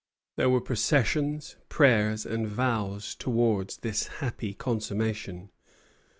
There were processions, prayers, and vows towards this happy consummation.